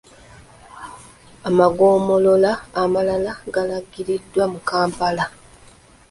Amagomolola amalala galangiriddwa mu Kampala.